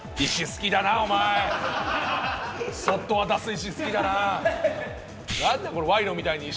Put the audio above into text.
そっと渡す石好きだな。